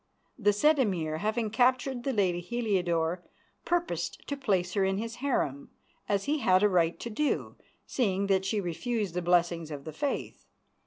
The said Emir, having captured the lady Heliodore, purposed to place her in his harem, as he had a right to do, seeing that she refused the blessings of the Faith.